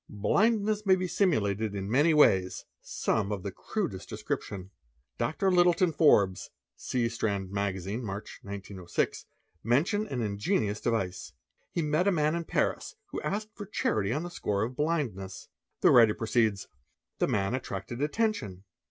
Blindness may be simulated in many ways, some of the crudest description. Dr. Litton Forbes (see Strand Magazine, March, 1906) mention an ingenious device. He met a man in Paris who asked for charity on the score of blindness. The writer proceeds; ' 'The man. attracted attention.